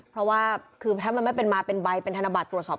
เพราะว่าถ้ามันไม่เป็นมาร์เป็นใบจะเป็นธรรมบาทตรวจสอบ